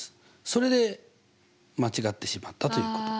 それで間違ってしまったということ。